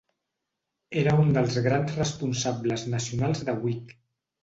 Era un dels grans responsables nacionals de Whig.